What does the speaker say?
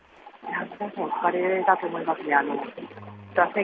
皆さんお疲れだと思いますね。